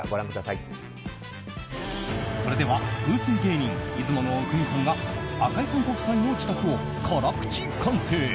それでは風水芸人出雲阿国さんが赤井さんご夫妻の自宅を辛口鑑定。